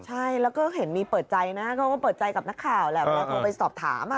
ใช่แล้วก็เห็นมีเปิดใจนะเขาก็เปิดใจกับนักข่าวแหละเวลาโทรไปสอบถาม